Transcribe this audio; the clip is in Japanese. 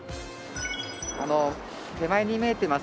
手前に見えてます